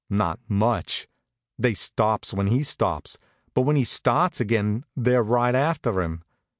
Not much. They stops when he stops, but when he starts again they're right after him.